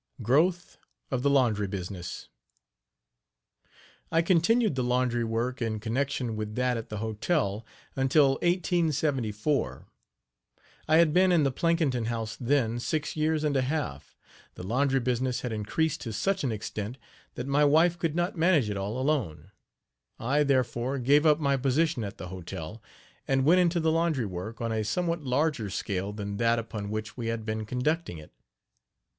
GROWTH OF THE LAUNDRY BUSINESS. I continued the laundry work, in connection with that at the hotel, until 1874. I had been in the Plankinton House then six years and a half. The laundry business had increased to such an extent that my wife could not manage it all alone. I, therefore, gave up my position at the hotel, and went into the laundry work on a somewhat larger scale than that upon which we had been conducting it.